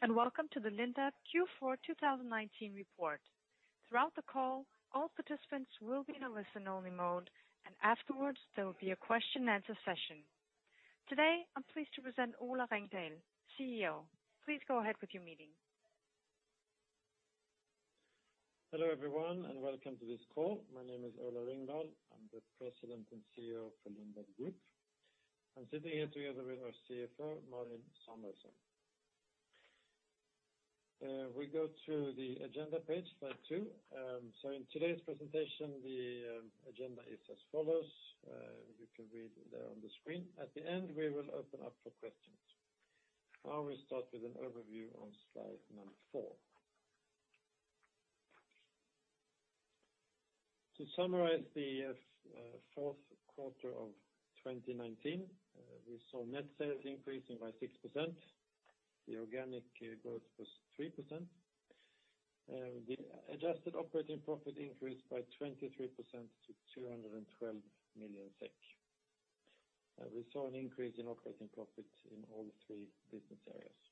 Hello, welcome to the Lindab Q4 2019 report. Throughout the call, all participants will be in a listen-only mode, and afterwards, there will be a question-and-answer session. Today, I'm pleased to present Ola Ringdahl, CEO. Please go ahead with your meeting. Hello, everyone, and welcome to this call. My name is Ola Ringdahl. I'm the President and CEO for Lindab Group. I'm sitting here together with our CFO, Malin Samuelsson. We go to the agenda page, slide two. In today's presentation, the agenda is as follows. You can read there on the screen. At the end, we will open up for questions. We start with an overview on slide number four. To summarize the fourth quarter of 2019, we saw net sales increasing by 6%. The organic growth was 3%. The adjusted operating profit increased by 23% to 212 million SEK. We saw an increase in operating profit in all three business areas.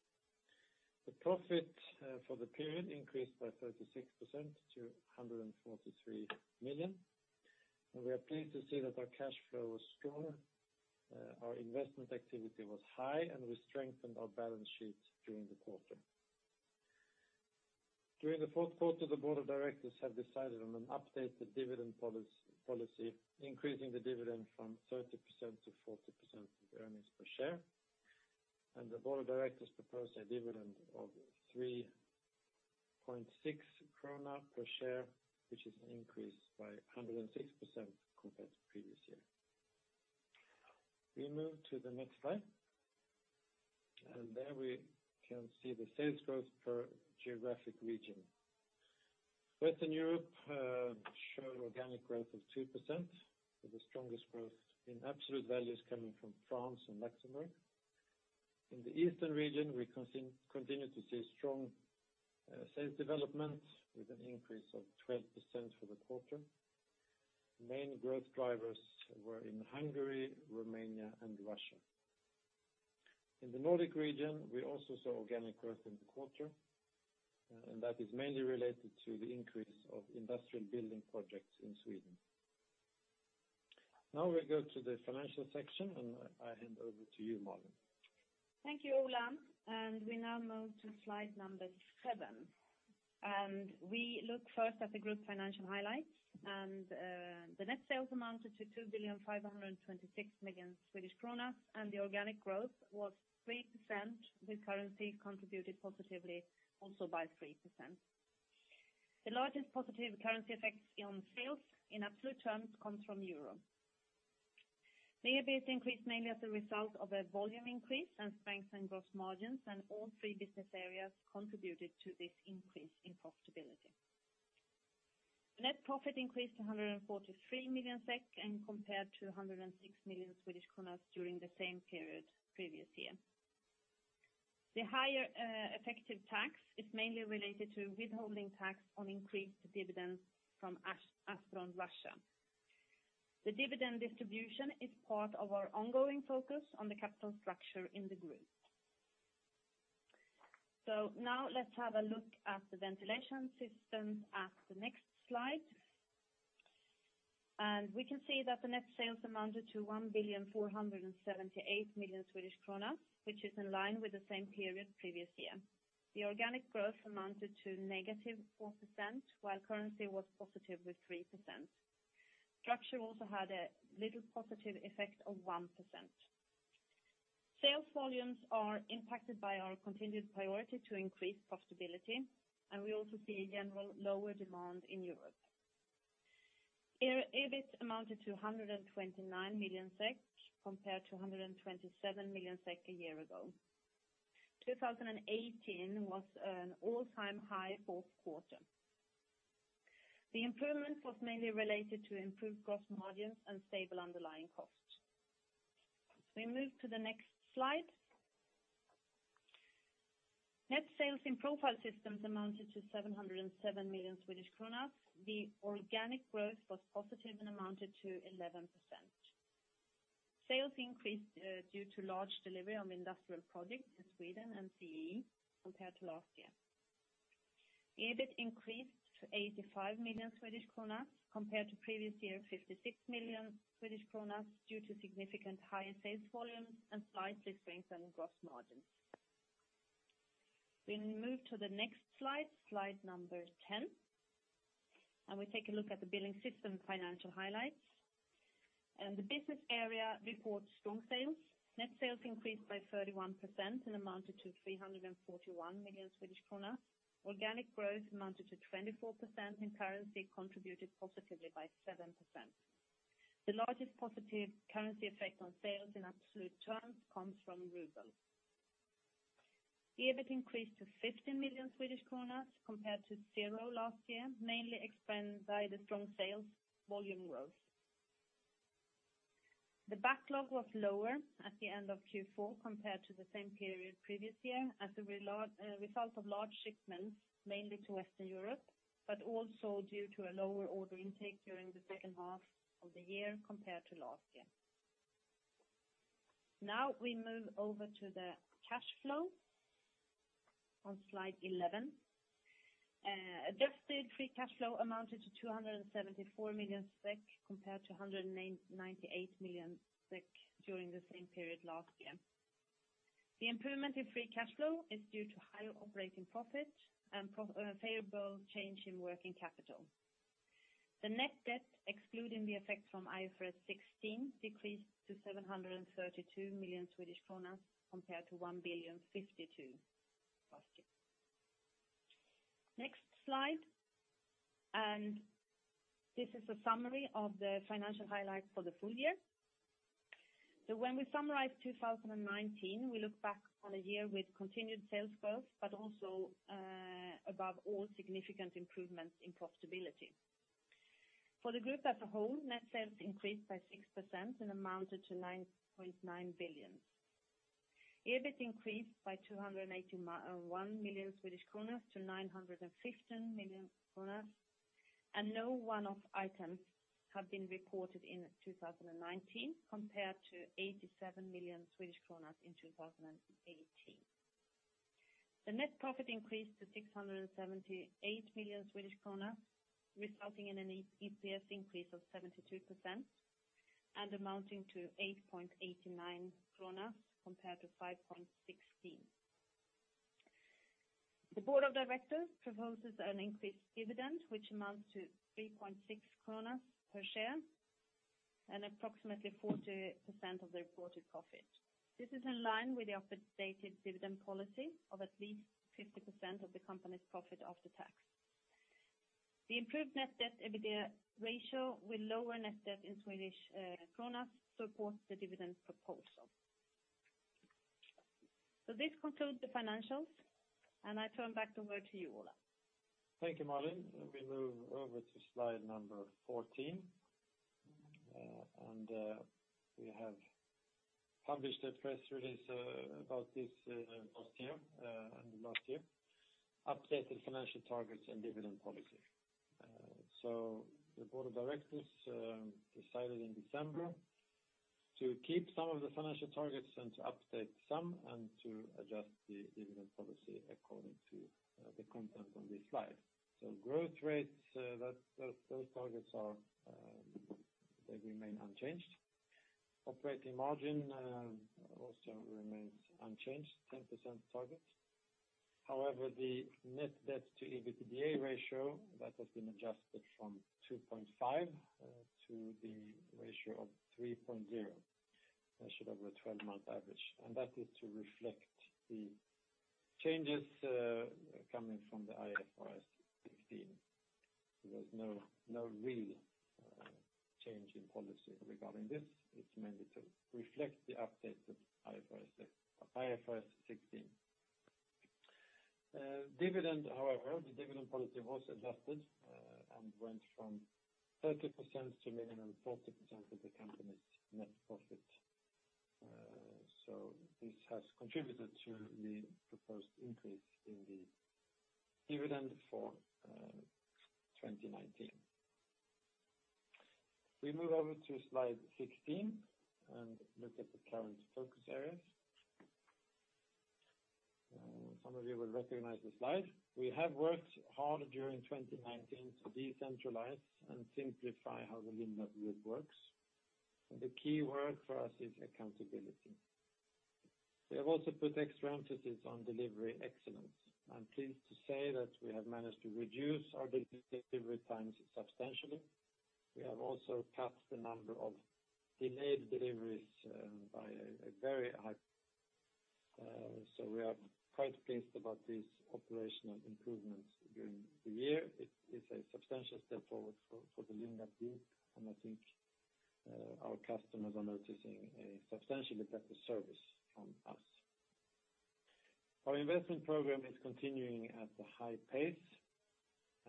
The profit for the period increased by 36% to 143 million, and we are pleased to see that our cash flow was strong, our investment activity was high, and we strengthened our balance sheets during the quarter. During the fourth quarter, the Board of Directors have decided on an updated dividend policy, increasing the dividend from 30% to 40% of earnings per share. The Board of Directors proposed a dividend of 3.6 krona per share, which is an increase by 106% compared to previous year. We move to the next slide, and there we can see the sales growth per geographic region. Western Europe showed organic growth of 2%, with the strongest growth in absolute values coming from France and Luxembourg. In the Eastern region, we continue to see strong sales development, with an increase of 12% for the quarter. The main growth drivers were in Hungary, Romania, and Russia. In the Nordic region, we also saw organic growth in the quarter, and that is mainly related to the increase of industrial building projects in Sweden. Now we go to the financial section, and I hand over to you, Malin. Thank you, Ola. We now move to slide number seven. And we look first at the group financial highlights. The net sales amounted to 2.526 billion. The organic growth was 3%, with currency contributed positively also by 3%. The largest positive currency effects on sales in absolute terms comes from euro. EBIT increased mainly as a result of a volume increase and strength in gross margins. All three business areas contributed to this increase in profitability. The net profit increased to 143 million SEK, and compared to 106 million Swedish kronor during the same period previous year. The higher effective tax is mainly related to withholding tax on increased dividends from Astron Russia. The dividend distribution is part of our ongoing focus on the capital structure in the group. Now let's have a look at the Ventilation Systems at the next slide. We can see that the net sales amounted to 1,478 million Swedish kronor, which is in line with the same period previous year. The organic growth amounted to negative 4%, while currency was positive with 3%. Structure also had a little positive effect of 1%. Sales volumes are impacted by our continued priority to increase profitability, and we also see a general lower demand in Europe. EBIT amounted to 129 million SEK, compared to 127 million SEK a year ago. 2018 was an all-time high fourth quarter. The improvement was mainly related to improved gross margins and stable underlying costs. We move to the next slide. Net sales in Profile Systems amounted to 707 million Swedish kronor. The organic growth was positive and amounted to 11%. Sales increased due to large delivery on industrial projects in Sweden and CEE compared to last year. EBIT increased to 85 million Swedish kronor compared to previous year, 56 million Swedish kronor, due to significant higher sales volumes and slightly strengthening gross margins. We move to the next slide number 10. We take a look at the Building Systems financial highlights. The business area reports strong sales. Net sales increased by 31% and amounted to 341 million Swedish krona. Organic growth amounted to 24%. Currency contributed positively by 7%. The largest positive currency effect on sales in absolute terms comes from Ruble. The EBIT increased to 50 million Swedish kronor compared to zero last year, mainly explained by the strong sales volume growth. The backlog was lower at the end of Q4 compared to the same period previous year, as a result of large shipments, mainly to Western Europe, but also due to a lower order intake during the second half of the year compared to last year. We move over to the cash flow on slide 11. Adjusted free cash flow amounted to 274 million SEK, compared to 198 million SEK during the same period last year. The improvement in free cash flow is due to higher operating profit and a favorable change in working capital. The net debt, excluding the effect from IFRS 16, decreased to 732 million Swedish kronor, compared to 1.052 billion last year. Next slide, this is a summary of the financial highlights for the full year. When we summarize 2019, we look back on a year with continued sales growth, but also, above all, significant improvements in profitability. For the group as a whole, net sales increased by 6% and amounted to 9.9 billion. EBIT increased by 281 million Swedish kronor to 915 million kronor, and no one-off items have been recorded in 2019, compared to 87 million Swedish kronor in 2018. The net profit increased to 678 million Swedish kronor, resulting in an EPS increase of 72% and amounting to 8.89 krona compared to 5.16. The Board of Directors proposes an increased dividend, which amounts to 3.6 krona per share and approximately 40% of the reported profit. This is in line with the updated dividend policy of at least 50% of the company's profit after tax. The improved net debt EBITDA ratio with lower net debt in Swedish krona supports the dividend proposal. This concludes the financials, and I turn back over to you, Ola. Thank you, Malin. We move over to slide number 14. We have published a press release about this last year, and last year, updated financial targets and dividend policy. The Board of Directors decided in December to keep some of the financial targets and to update some, and to adjust the dividend policy according to the content on this slide. Growth rates, those targets are, they remain unchanged. Operating margin also remains unchanged, 10% target. However, the net debt to EBITDA ratio, that has been adjusted from 2.5x to the ratio of 3.0x. That should have a 12-month average. That is to reflect the changes coming from the IFRS 16. There's no real change in policy regarding this. It's mainly to reflect the updated IFRS 16. Dividend however, the dividend policy was adjusted and went from 30% to minimum 40% of the company's net profit. This has contributed to the proposed increase in the dividend for 2019. We move over to slide 16, and look at the current focus areas. Some of you will recognize the slide. We have worked hard during 2019 to decentralize and simplify how the Lindab Group works, and the key word for us is accountability. We have also put extra emphasis on delivery excellence. I'm pleased to say that we have managed to reduce our delivery times substantially. We have also cut the number of delayed deliveries, by a very high, so we are quite pleased about this operational improvements during the year. It's a substantial step forward for the Lindab team. I think our customers are noticing a substantially better service from us. Our investment program is continuing at a high pace.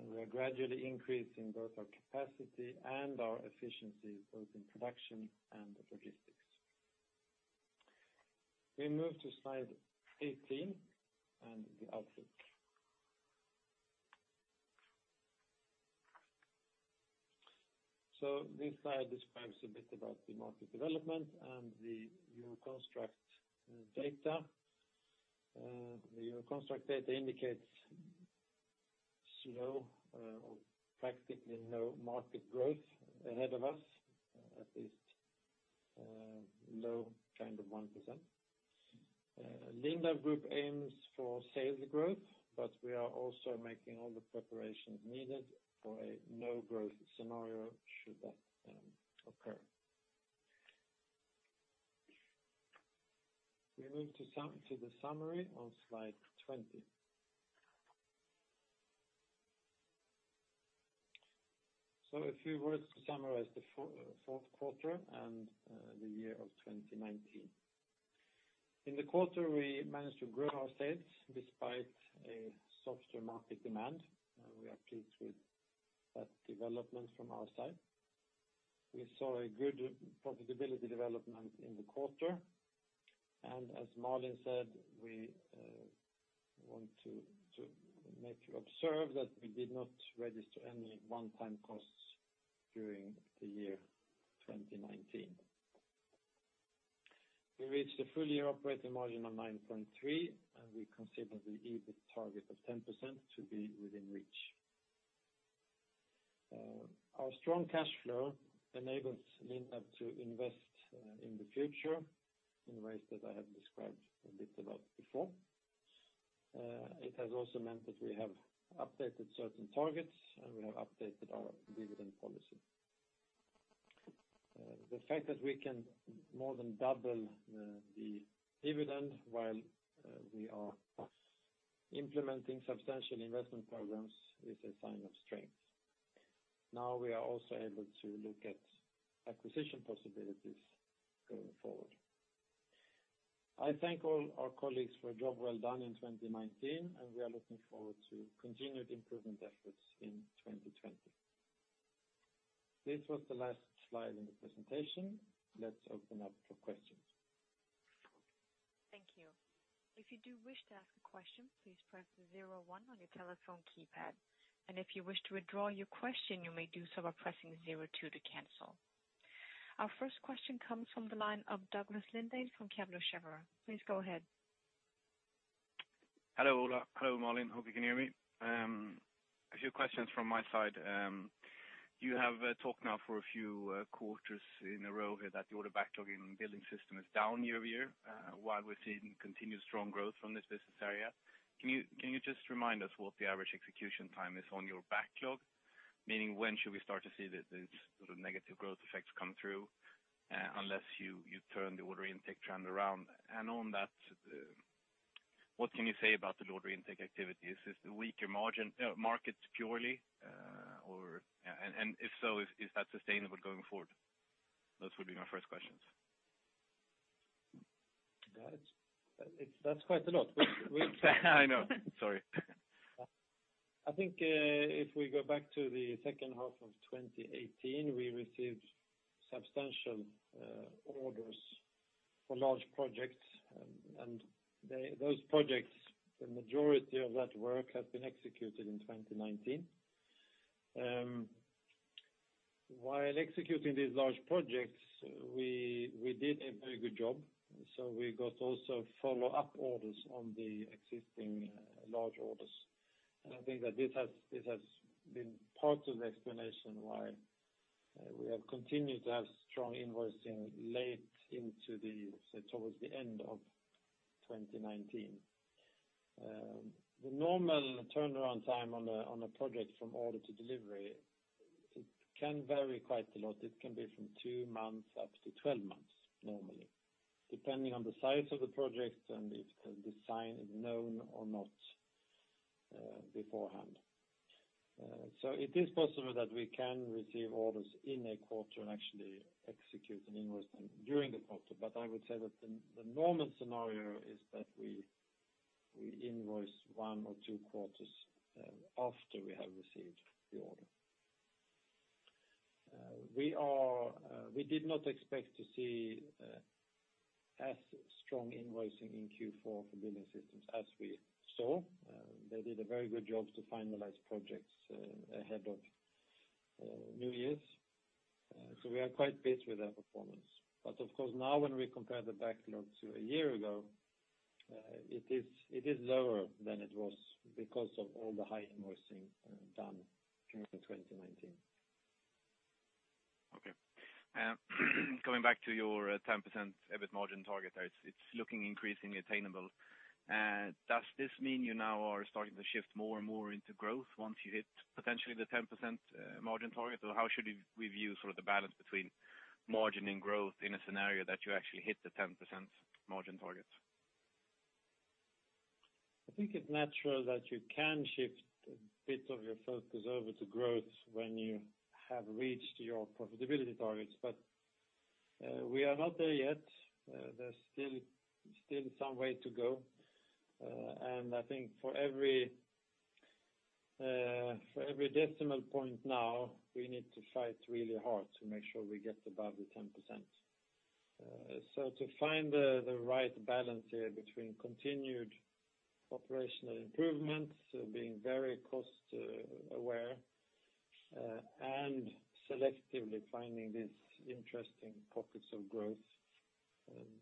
We are gradually increasing both our capacity and our efficiency, both in production and logistics. We move to slide 18, the outlook. This slide describes a bit about the market development and the Euroconstruct data. The Euroconstruct data indicates slow, or practically no market growth ahead of us, at least low kind of 1%. Lindab Group aims for sales growth. We are also making all the preparations needed for a no-growth scenario should that occur. We move to the summary on slide 20. A few words to summarize the fourth quarter and the year of 2019. In the quarter, we managed to grow our sales despite a softer market demand, we are pleased with that development from our side. We saw a good profitability development in the quarter. As Malin said, we want to make you observe that we did not register any one-time costs during the year 2019. We reached a full year operating margin of 9.3%, and we consider the EBIT target of 10% to be within reach. Our strong cash flow enables Lindab to invest in the future in ways that I have described a bit about before. It has also meant that we have updated certain targets, and we have updated our dividend policy. The fact that we can more than double the dividend while we are implementing substantial investment programs is a sign of strength. We are also able to look at acquisition possibilities going forward. I thank all our colleagues for a job well done in 2019. We are looking forward to continued improvement efforts in 2020. This was the last slide in the presentation. Let's open up for questions. Thank you. If you do wish to ask a question, please press zero one on your telephone keypad, and if you wish to withdraw your question, you may do so by pressing zero two to cancel. Our first question comes from the line of Douglas Lindahl from Kepler Cheuvreux. Please go ahead. Hello, Ola. Hello, Malin. Hope you can hear me. A few questions from my side. You have talked now for a few quarters in a row here that the order backlog in Building Systems is down year-over-year, while we're seeing continued strong growth from this business area. Can you just remind us what the average execution time is on your backlog? Meaning, when should we start to see the sort of negative growth effects come through, unless you turn the order intake trend around? On that, what can you say about the order intake activity? Is this a weaker margin market purely, or? If so, is that sustainable going forward? Those would be my first questions. That's quite a lot. I know. Sorry. I think, if we go back to the second half of 2018, we received substantial orders for large projects, the majority of that work has been executed in 2019. While executing these large projects, we did a very good job, we got also follow-up orders on the existing large orders. I think that this has been part of the explanation why we have continued to have strong invoicing late into the, say, towards the end of 2019. The normal turnaround time on a project from order to delivery, it can vary quite a lot. It can be from two months up to 12 months normally, depending on the size of the project and if the design is known or not, beforehand. It is possible that we can receive orders in a quarter and actually execute an invoice during the quarter, but I would say that the normal scenario is that we invoice one or two quarters after we have received the order. We did not expect to see as strong invoicing in Q4 for Building Systems as we saw. They did a very good job to finalize projects ahead of New Year's. We are quite pleased with their performance. Now when we compare the backlog to a year ago, it is lower than it was because of all the high invoicing done during 2019. Okay. Going back to your 10% EBIT margin target, it's looking increasingly attainable. Does this mean you now are starting to shift more and more into growth once you hit potentially the 10% margin target? Or how should we view sort of the balance between margin and growth in a scenario that you actually hit the 10% margin target? I think it's natural that you can shift a bit of your focus over to growth when you have reached your profitability targets. We are not there yet. There's still some way to go, I think for every decimal point now, we need to fight really hard to make sure we get above the 10%. To find the right balance here between continued operational improvements, being very cost aware, and selectively finding these interesting pockets of growth,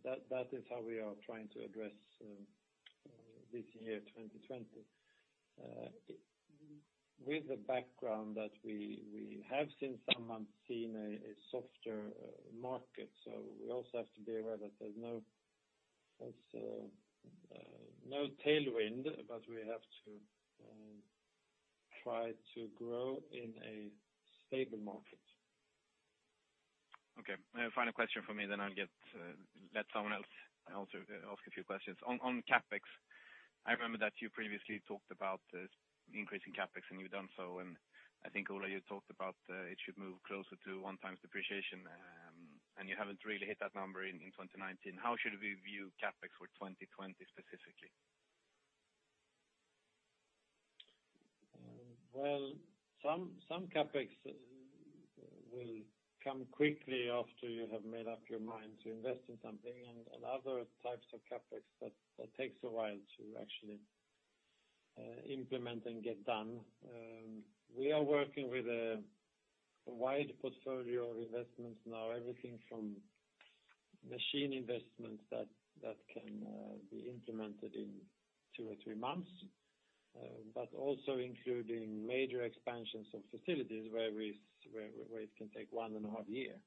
that is how we are trying to address this year, 2020. With the background that we have seen a softer market. We also have to be aware that there's no no tailwind. We have to try to grow in a stable market. Okay. A final question from me, then I'll get let someone else also ask a few questions. On CapEx, I remember that you previously talked about increasing CapEx, and you've done so, and I think, Ola, you talked about it should move closer to 1x depreciation, and you haven't really hit that number in 2019. How should we view CapEx for 2020 specifically? Well, some CapEx will come quickly after you have made up your mind to invest in something, and other types of CapEx that takes a while to actually implement and get done. We are working with a wide portfolio of investments now. Everything from machine investments that can be implemented in two or three months, but also including major expansions of facilities where it can take one and a half years.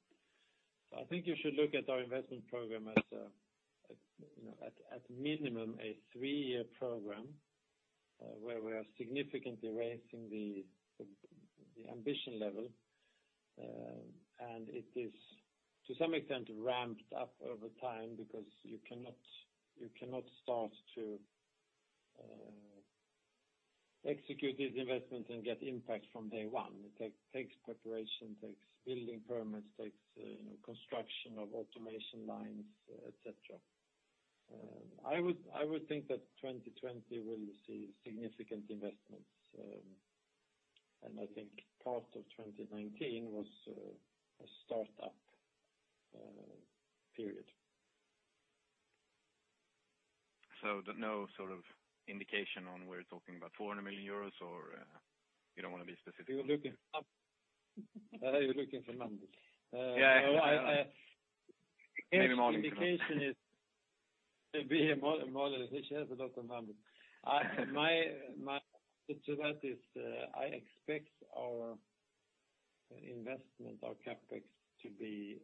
I think you should look at our investment program as a, you know, at minimum, a three-year program, where we are significantly raising the ambition level. It is to some extent ramped up over time because you cannot start to execute these investments and get impact from day one. It takes preparation, takes building permits, takes, you know, construction of automation lines, et cetera. I would think that 2020 will see significant investments, and I think part of 2019 was a startup period. No sort of indication on we're talking about 400 million euros, or, you don't want to be specific? You're looking up. You're looking for money. Yeah. Uh, I, uh- Maybe more than that. Indication is to be a model, which has a lot of money. I, my situation is, I expect our investment, our CapEx, to be,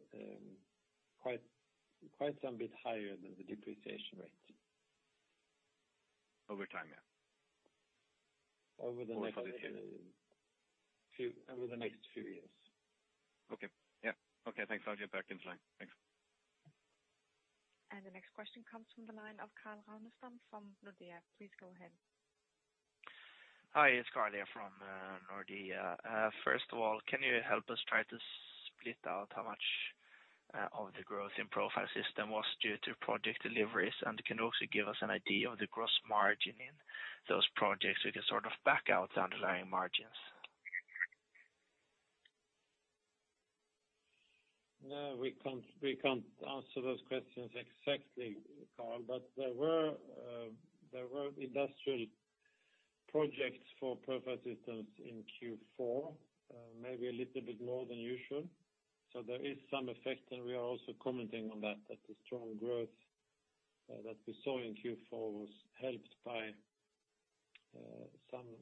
quite some bit higher than the depreciation rate. Over time, yeah. Over the next- Over the period. Over the next few years. Okay. Yeah. Okay, thanks, I'll get back in line. Thanks. The next question comes from the line of Carl Ragnerstam from Nordea. Please go ahead. Hi, it's Carl here from Nordea. First of all, can you help us try to split out how much of the growth in Profile Systems was due to project deliveries? Can you also give us an idea of the gross margin in those projects, we can sort of back out the underlying margins? No, we can't answer those questions exactly, Carl. There were industrial projects for Profile Systems in Q4, maybe a little bit more than usual. There is some effect, and we are also commenting on that the strong growth that we saw in Q4 was helped by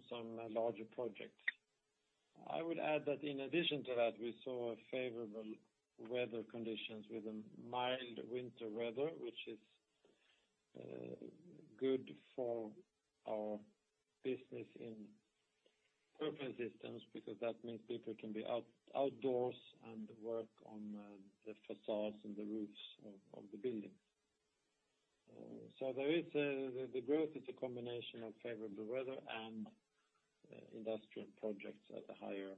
some larger projects. I would add that in addition to that, we saw a favorable weather conditions with a mild winter weather, which is good for our business in Profile Systems, because that means people can be outdoors and work on the facades and the roofs of the buildings. The growth is a combination of favorable weather and industrial projects at a higher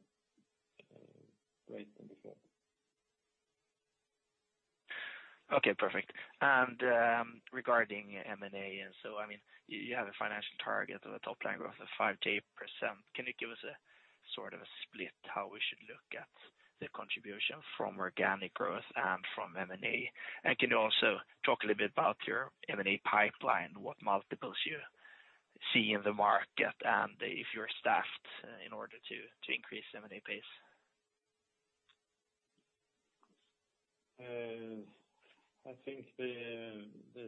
rate than before. Okay, perfect. And regarding M&A, I mean, you have a financial target of a top line growth of 5%-8%. Can you give us sort of a split, how we should look at the contribution from organic growth and from M&A? Can you also talk a little bit about your M&A pipeline, what multiples you see in the market, and if you're staffed in order to increase M&A pace? I think the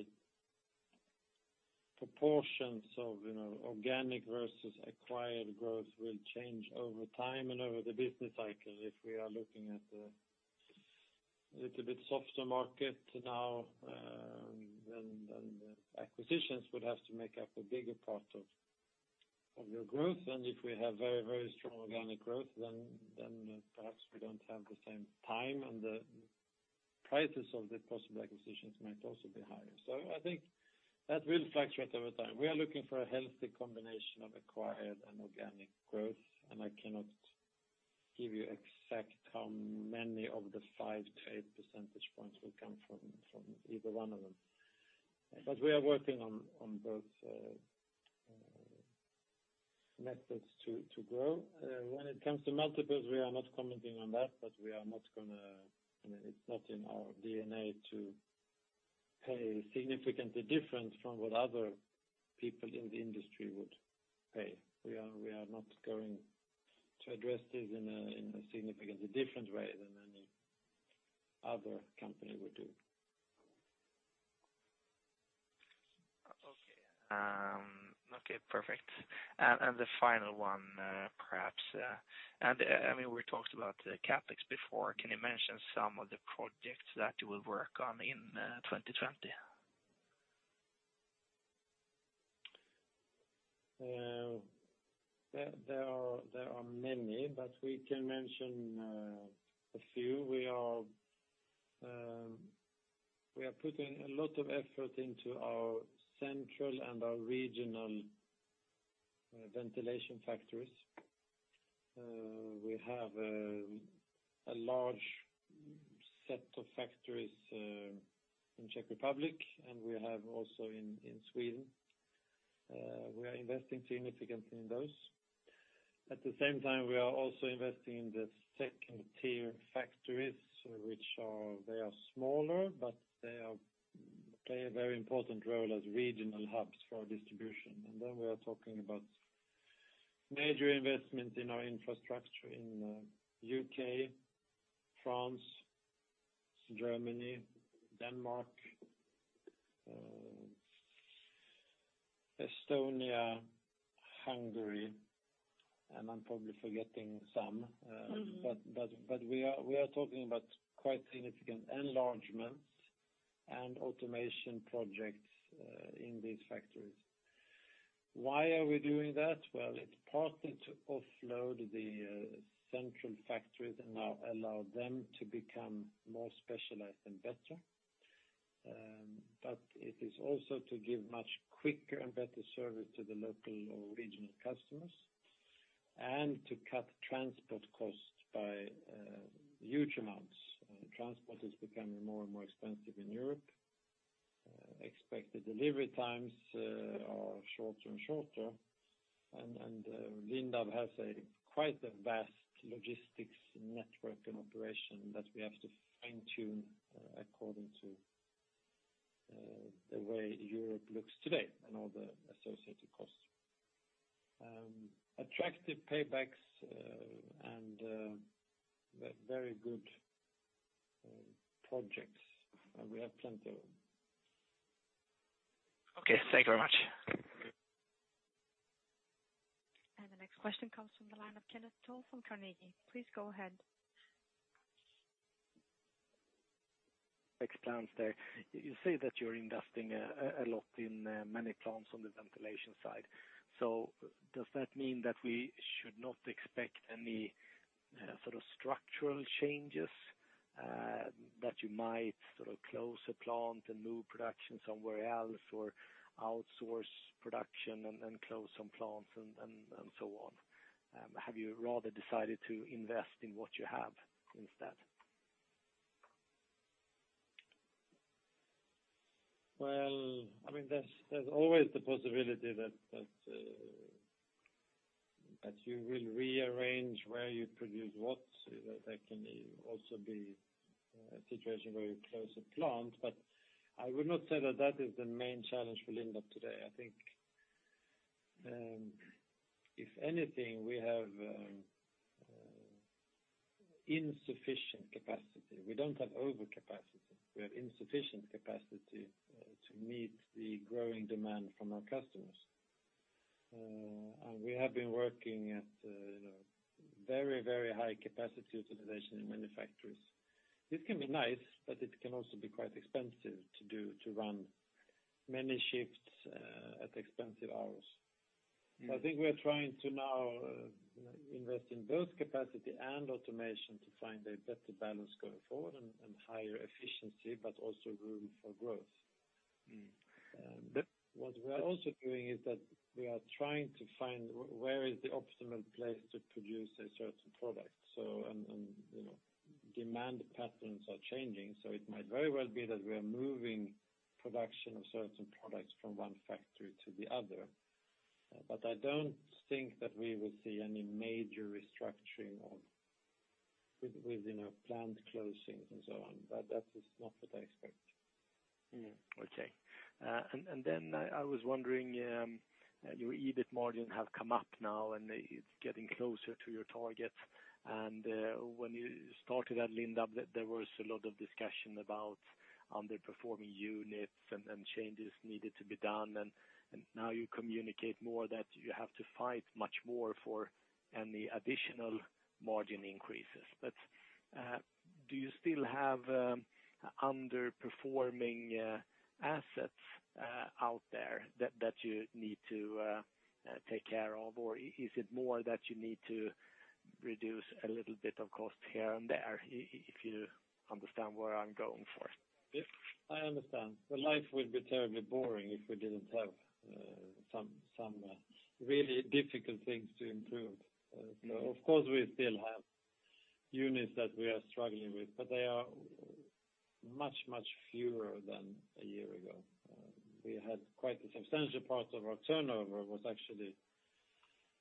proportions of, you know, organic versus acquired growth will change over time and over the business cycle. If we are looking at a little bit softer market now, then the acquisitions would have to make up a bigger part of your growth. If we have very, very strong organic growth, then perhaps we don't have the same time, and the prices of the possible acquisitions might also be higher. I think that will fluctuate over time. We are looking for a healthy combination of acquired and organic growth. I cannot give you exact how many of the five to eight percentage points will come from either one of them. We are working on both methods to grow. When it comes to multiples, we are not commenting on that, but I mean, it's not in our DNA to pay significantly different from what other people in the industry would pay. We are not going to address this in a, in a significantly different way than any other company would do. Okay, okay, perfect. The final one, perhaps, I mean, we talked about the CapEx before. Can you mention some of the projects that you will work on in 2020? There, there are, there are many, but we can mention a few. We are, we are putting a lot of effort into our central and our regional ventilation factories. We have a large set of factories in Czech Republic, and we have also in Sweden. We are investing significantly in those. At the same time, we are also investing in the second tier factories, which are, they are smaller, but they are, play a very important role as regional hubs for distribution. Then we are talking about major investment in our infrastructure in U.K., France, Germany, Denmark, Estonia, Hungary, and I'm probably forgetting some. We are talking about quite significant enlargements and automation projects in these factories. Why are we doing that? Well, it's partly to offload the central factories and now allow them to become more specialized and better. It is also to give much quicker and better service to the local or regional customers, and to cut transport costs by huge amounts. Transport is becoming more and more expensive in Europe. Expected delivery times are shorter and shorter, Lindab has a quite a vast logistics network and operation that we have to fine-tune according to the way Europe looks today and all the associated costs. Attractive paybacks, very good projects, and we have plenty of them. Okay, thank you very much. The next question comes from the line of Kenneth Toll from Carnegie. Please go ahead. Thanks, plants there. You say that you're investing a lot in many plants on the ventilation side. Does that mean that we should not expect any sort of structural changes that you might sort of close a plant and move production somewhere else, or outsource production and close some plants and so on? Have you rather decided to invest in what you have instead? Well, I mean, there's always the possibility that you will rearrange where you produce what. That can also be a situation where you close a plant, but I would not say that that is the main challenge for Lindab today. I think, if anything, we have insufficient capacity. We don't have overcapacity, we have insufficient capacity to meet the growing demand from our customers. We have been working at very, very high capacity utilization in many factories. This can be nice, but it can also be quite expensive to do, to run many shifts at expensive hours. I think we are trying to now, invest in both capacity and automation to find a better balance going forward and higher efficiency, but also room for growth. Mm. And- What we are also doing is that we are trying to find where is the optimal place to produce a certain product. You know, demand patterns are changing, so it might very well be that we are moving production of certain products from one factory to the other. I don't think that we will see any major restructuring of within our plant closings and so on. That is not what I expect. Mm, okay. Then I was wondering, your EBIT margin have come up now, and it's getting closer to your target. When you started at Lindab, there was a lot of discussion about underperforming units and changes needed to be done. Now you communicate more that you have to fight much more for any additional margin increases. Do you still have underperforming assets out there that you need to take care of, or is it more that you need to reduce a little bit of cost here and there, if you understand where I'm going for? Yes, I understand. Life would be terribly boring if we didn't have some really difficult things to improve. Of course, we still have units that we are struggling with, but they are much fewer than a year ago. We had quite a substantial part of our turnover, was actually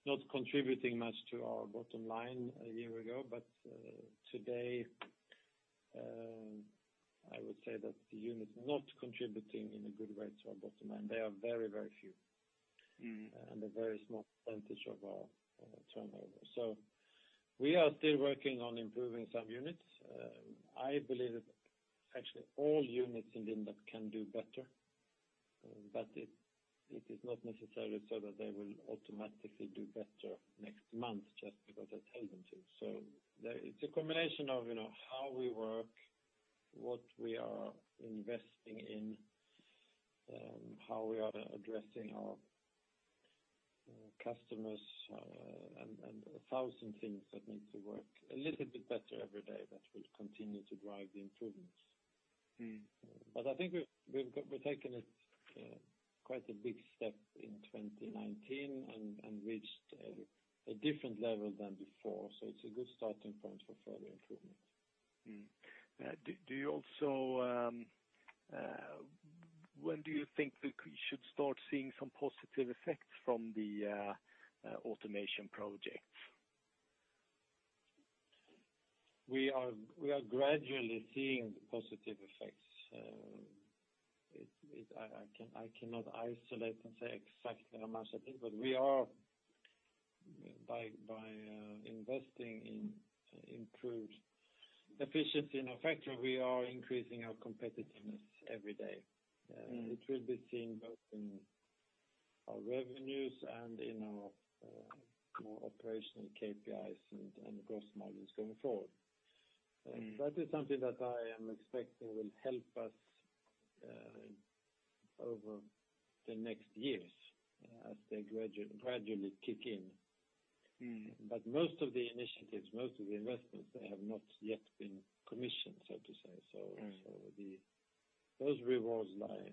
not contributing much to our bottom line a year ago. Today, I would say that the units not contributing in a good way to our bottom line, they are very few. Mm. A very small percentage of our turnover. We are still working on improving some units. I believe that actually all units in Lindab can do better, but it is not necessarily so that they will automatically do better next month just because I tell them to. There. It's a combination of, you know, how we work, what we are investing in, how we are addressing our customers, and 1,000 things that need to work a little bit better every day, that will continue to drive the improvement. I think we've taken a quite a big step in 2019 and reached a different level than before, so it's a good starting point for further improvement. Mm. Do you also, when do you think that we should start seeing some positive effects from the automation projects? We are gradually seeing the positive effects. I cannot isolate and say exactly how much I think, but we are by investing in improved efficiency in our factory, we are increasing our competitiveness every day. Mm. It will be seen both in our revenues and in our operational KPIs and gross margins going forward. Mm. That is something that I am expecting will help us over the next years, as they gradually kick in. Mm. Most of the initiatives, most of the investments, they have not yet been commissioned, so to say. Mm. The those rewards lie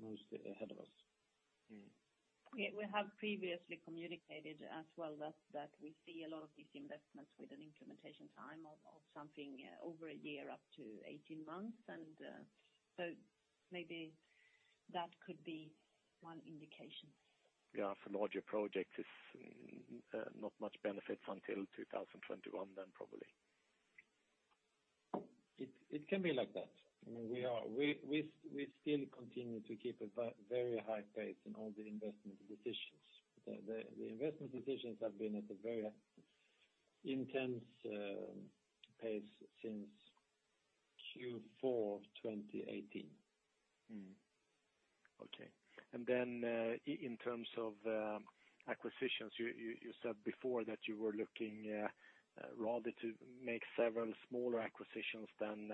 mostly ahead of us. Mm. Yeah, we have previously communicated as well, that we see a lot of these investments with an implementation time of something over a year, up to 18 months, and so maybe that could be one indication. If a larger project is not much benefit until 2021, then probably. It can be like that. I mean, we still continue to keep a very high pace in all the investment decisions. The investment decisions have been at a very intense pace since Q4, 2018. Okay. In terms of acquisitions, you said before that you were looking rather to make several smaller acquisitions than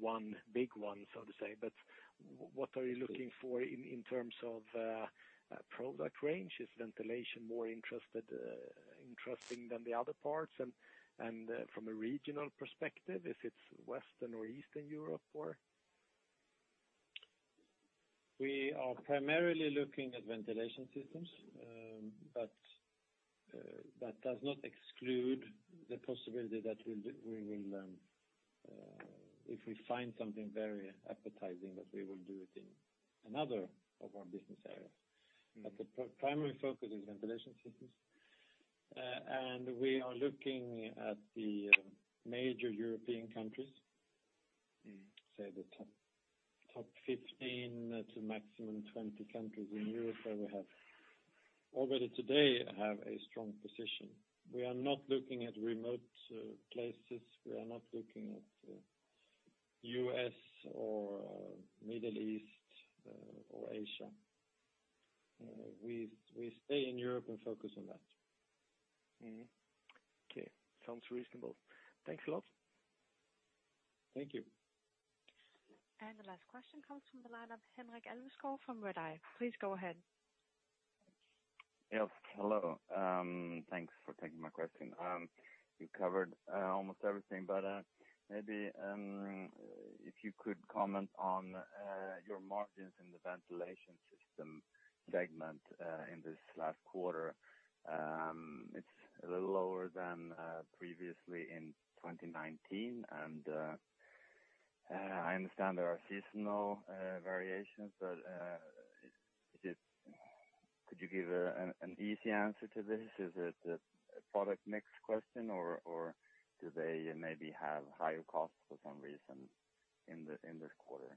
one big one, so to say. But what are you looking for in terms of product range? Is Ventilation more interesting than the other parts? And from a regional perspective, if it's Western or Eastern Europe, or? We are primarily looking at Ventilation Systems, but that does not exclude the possibility that we will, if we find something very appetizing, that we will do it in another of our business areas. Mm. The primary focus is Ventilation Systems. We are looking at the major European countries. Mm. Say, the top 15 to maximum 20 countries in Europe, where we already today, have a strong position. We are not looking at remote places. We are not looking at U.S. or Middle East or Asia. We stay in Europe and focus on that. Mm-hmm. Okay, sounds reasonable. Thanks a lot. Thank you. The last question comes from the line of Henrik Alveskog from Redeye. Please go ahead. Yes, hello. Thanks for taking my question. You covered almost everything, but maybe if you could comment on your margins in the Ventilation Systems segment in this last quarter. It's a little lower than previously in 2019, and I understand there are seasonal variations, but is it? Could you give an easy answer to this? Is it a product mix question, or do they maybe have higher costs for some reason in this quarter?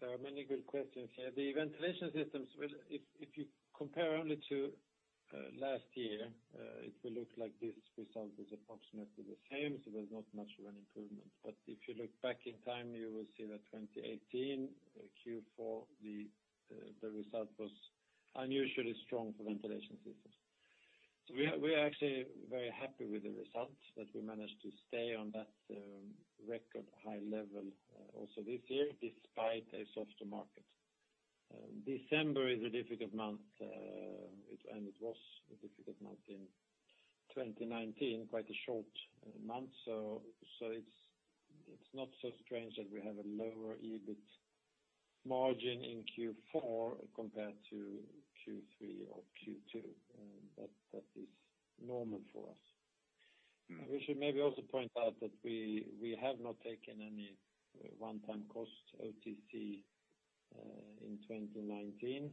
There are many good questions here. The Ventilation Systems, well, if you compare only to last year, it will look like this result is approximately the same, there's not much of an improvement. If you look back in time, you will see that 2018 Q4, the result was unusually strong for Ventilation Systems. We are actually very happy with the results, that we managed to stay on that record high level also this year, despite a softer market. December is a difficult month, it was a difficult month in 2019, quite a short month. It's not so strange that we have a lower EBIT margin in Q4 compared to Q3 or Q2. That is normal for us. Mm. We should maybe also point out that we have not taken any one-time costs, OTC, in 2019,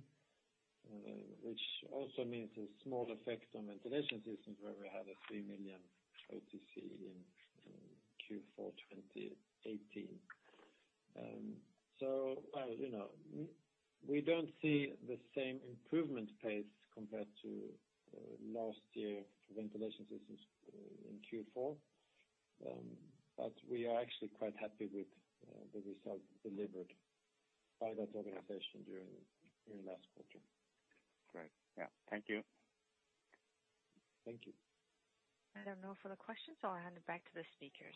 which also means a small effect on Ventilation Systems, where we had a 3 million OTC in Q4 2018. Well, you know, we don't see the same improvement pace compared to last year Ventilation Systems in Q4. We are actually quite happy with the results delivered by that organization during last quarter. Great. Yeah. Thank you. Thank you. I have no further questions, so I'll hand it back to the speakers.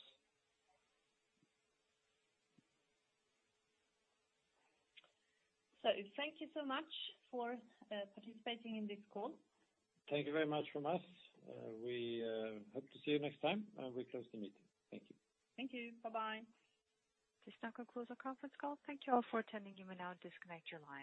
Thank you so much for participating in this call. Thank you very much from us. We hope to see you next time, and we close the meeting. Thank you. Thank you. Bye-bye. This now concludes our conference call. Thank you all for attending. You may now disconnect your lines.